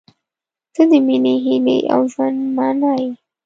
• ته د مینې، هیلې، او ژوند معنی یې.